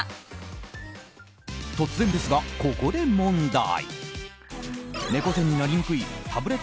突然ですが、ここで問題。